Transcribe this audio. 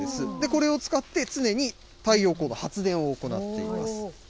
これを使って、常に太陽光の発電を行っています。